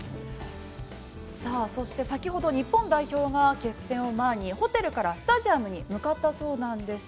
そして先ほど日本代表が決戦を前にホテルからスタジアムに向かったそうなんです。